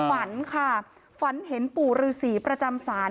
ฝันค่ะฝันเห็นปู่ฤษีประจำศาล